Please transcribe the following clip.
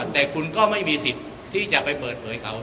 แต่คุณก็ไม่มีสิทธิ์ที่จะไปเปิดเผยเขา